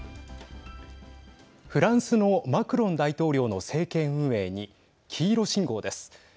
フランスのマクロン大統領の政権運営に黄色信号です。